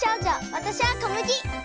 わたしはコムギ！